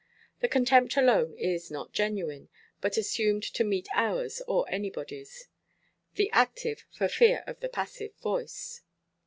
The contempt alone is not genuine, but assumed to meet ours or anybodyʼs. The active, for fear of the passive voice.